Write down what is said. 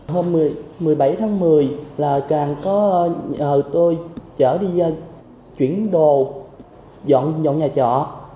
hôm một mươi bảy tháng một mươi là càng có nhờ tôi chở đi chuyển đồ dọn nhà trọ